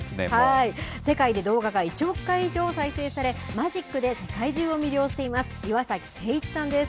世界で動画が１億回以上再生され、マジックで世界中を魅了しています、岩崎圭一さんです。